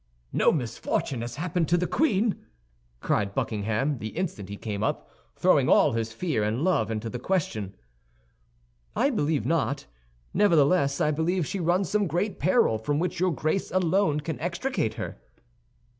"No misfortune has happened to the queen?" cried Buckingham, the instant he came up, throwing all his fear and love into the question. "I believe not; nevertheless I believe she runs some great peril from which your Grace alone can extricate her."